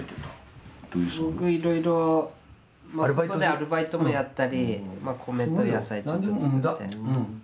僕いろいろまあ外でアルバイトもやったり米と野菜ちょっと作って。